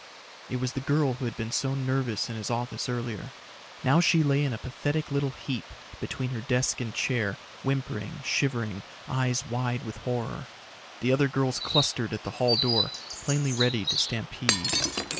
It was the girl who had been so nervous in his office earlier. Now she lay in a pathetic little heap between her desk and chair, whimpering, shivering, eyes wide with horror. The other girls clustered at the hall door, plainly ready to stampede.